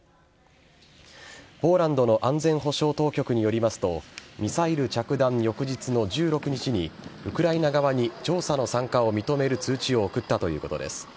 ポーランドの安全保障当局によりますとミサイル着弾翌日の１６日にウクライナ側に調査の参加を認める通知を送ったということです。